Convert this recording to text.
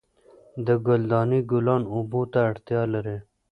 د ګل دانۍ ګلان اوبو ته اړتیا لري.